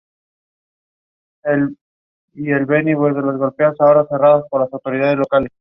Se le considera el fundador de la paleontología española.